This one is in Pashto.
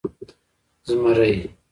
🦬 زمری